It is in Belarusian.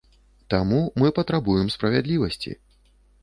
Таму мы патрабуем справядлівасці.